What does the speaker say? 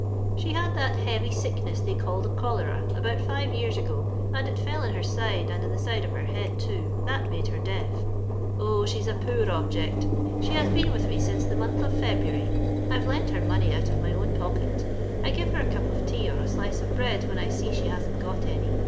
She had that heavy sickness they call the cholera about five years ago, and it fell in her side and in the side of her head too — that made her deaf. Oh! she's a poor object. She has been with me since the month of February. I've lent her money out of my own pocket. I give her a cup of tea or a slice of bread when I see she hasn't got any.